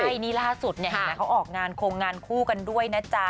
ใช่นี่ล่าสุดเนี่ยเห็นไหมเขาออกงานโครงงานคู่กันด้วยนะจ๊ะ